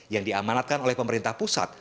yang diamanatkan oleh pemerintah pusat